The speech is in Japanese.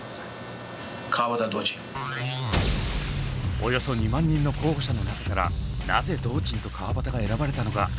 およそ２万人の候補者の中からなぜ堂珍と川畑が選ばれたのか？